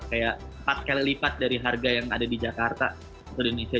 kayak empat kali lipat dari harga yang ada di jakarta atau di indonesia